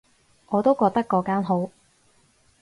我都覺得嗰間好